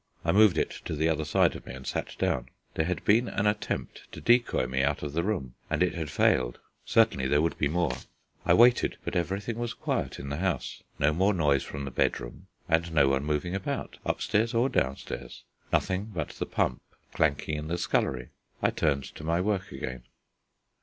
I moved it to the other side of me and sat down. There had been an attempt to decoy me out of the room, and it had failed. Certainly there would be more. I waited; but everything was quiet in the house: no more noise from the bedroom and no one moving about, upstairs or downstairs; nothing but the pump clanking in the scullery. I turned to my work again.